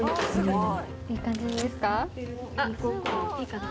いい感じです。